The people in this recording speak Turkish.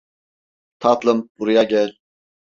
Tatlım, buraya gel.